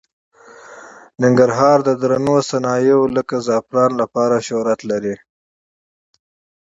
ننګرهار د درنو صنایعو لکه زعفرانو لپاره شهرت لري.